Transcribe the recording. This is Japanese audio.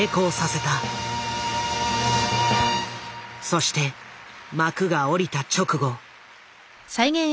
そして幕が下りた直後。